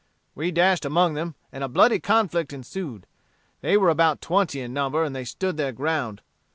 We dashed among them, and a bloody conflict ensued. They were about twenty in number, and they stood their ground.